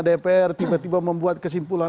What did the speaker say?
dpr tiba tiba membuat kesimpulan